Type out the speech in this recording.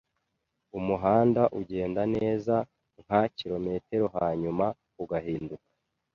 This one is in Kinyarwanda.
Umuhanda ugenda neza nka kilometero hanyuma ugahinduka.